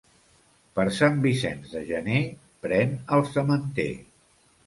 Per Sant Vicenç de gener, pren el sementer.